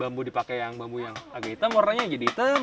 bambu dipakai yang agak hitam warnanya jadi hitam